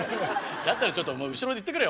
だったらちょっと後ろで言ってくれよ。